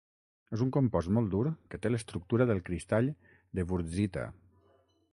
És un compost molt dur que té l'estructura del cristall de Wurtzita.